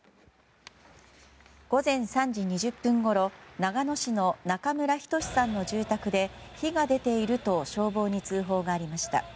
午前３時２０分ごろ長野市の中村均さんの住宅で火が出ていると消防に通報がありました。